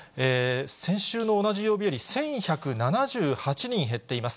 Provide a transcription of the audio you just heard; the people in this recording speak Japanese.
先週の同じ曜日より１１７８人減っています。